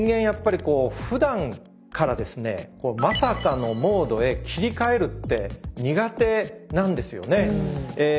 やっぱりこうふだんからですねまさかのモードへ切り替えるって苦手なんですよね。